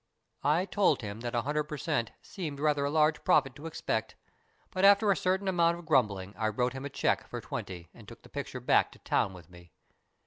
" I told him that a hundred per cent, seemed rather a large profit to expect, but after a certain amount of grumbling I wrote him a cheque for twenty and took the picture back to town with me.